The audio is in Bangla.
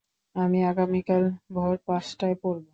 আমি আগামীকাল ভোর পাঁচটায় পড়ব।